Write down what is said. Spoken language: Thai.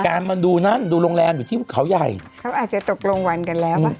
มาดูนั่นดูโรงแรมอยู่ที่เขาใหญ่เขาอาจจะตกลงวันกันแล้วว่า